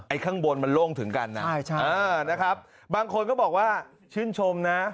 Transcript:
ข้างบนมันโล่งถึงกันนะนะครับบางคนก็บอกว่าชื่นชมนะ